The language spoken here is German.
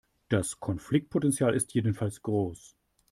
Das Konfliktpotenzial ist jedenfalls groß.